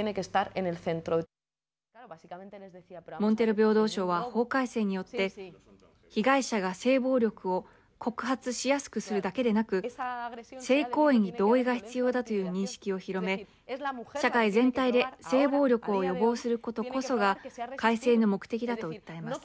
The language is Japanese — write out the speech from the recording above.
平等相は法改正によって被害者が性暴力を告発しやすくするだけでなく性行為に同意が必要だという認識を広め社会全体で性暴力を予防することこそが改正の目的だと訴えます。